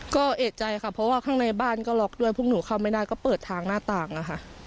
ก็เอกใจค่ะเพราะว่าข้างในบ้านก็ล็อกด้วยพวกหนูเข้าไม่ได้ก็เปิดทางหน้าต่างอะค่ะ